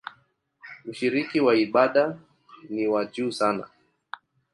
Ushiriki wa ibada ni wa juu sana.